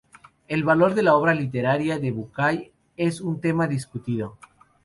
El valor de la obra literaria de Bucay es un tema discutido.